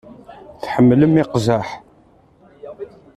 Tḥemmlem iqzaḥ?